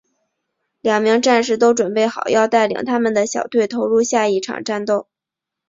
两名战士都准备好要带领他们的小队投入下一场战斗。